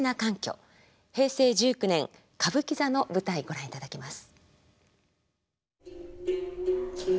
平成１９年歌舞伎座の舞台ご覧いただきます。